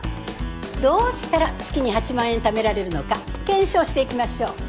どうしたら月に８万円ためられるのか検証していきましょう。